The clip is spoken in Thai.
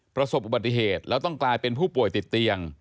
ประสบอุบัติเหตุแล้วต้องกลายเป็นผู้ป่วยติดเตียง